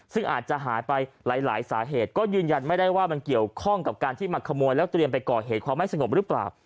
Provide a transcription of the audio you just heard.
ซึ่งอาจจะหายไปหลายสาเหตุก็ยืนยันไม่ได้ว่ามันเกี่ยวข้องกับการที่มาขโมยแล้วเตรียมไปก่อเหตุความไม่สงบหรือเปล่า